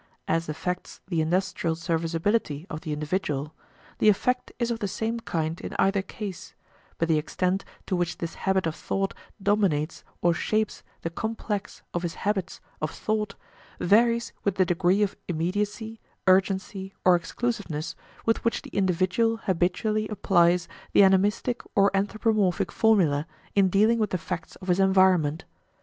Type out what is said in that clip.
As affects the industrial serviceability of the individual, the effect is of the same kind in either case; but the extent to which this habit of thought dominates or shapes the complex of his habits of thought varies with the degree of immediacy, urgency, or exclusiveness with which the individual habitually applies the animistic or anthropomorphic formula in dealing with the facts of his environment.